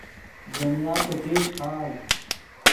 دنیا پتیشچ خاڤد